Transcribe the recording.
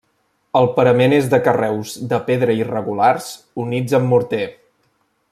El parament és de carreus de pedra irregulars units amb morter.